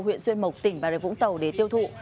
huyện xuyên mộc tỉnh bà rệ vũng tàu để tiêu thụ